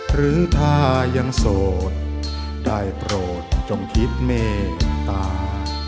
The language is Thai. หรือถ้ายังโสดได้โปรดจงคิดเมตตา